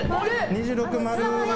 ２６、丸。